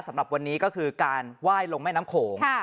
สำหรับวันนี้ก็คือการไหว้ลงแม่น้ำโขง